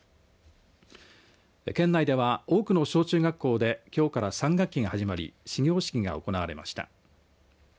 県内では多くの小中学校できょうから３学期が始まり始業式が行われました。